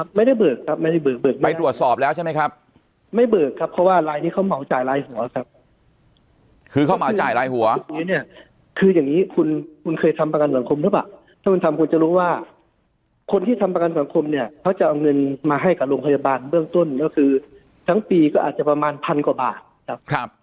คุณเคยทำประกันสังคมหรือเปล่าถ้าคุณทำคุณจะรู้ว่าคนที่ทำประกันสังคมเนี้ยเขาจะเอาเงินมาให้กับโรงพยาบาลเบื้องต้นก็คือทั้งปีก็อาจจะประมาณพันกว่าบาทครับครับ